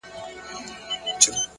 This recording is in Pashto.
o خپه وې چي وړې ، وړې ،وړې د فريادي وې،